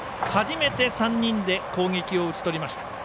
初めて３人で攻撃を打ち取りました。